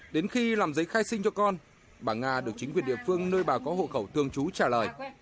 đến khi làm giấy khai sinh cho con bà nga được chính quyền địa phương nơi bà có hộ khẩu thường trú trả lời